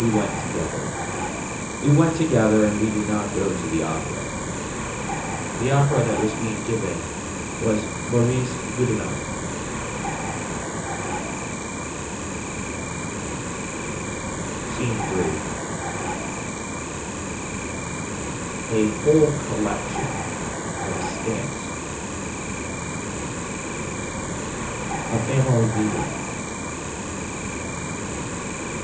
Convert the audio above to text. We went together. We went together and we did not go to the Opera. The opera that was being given was Boris Goudonoff. SCENE III. A whole collection of stamps. A family meeting.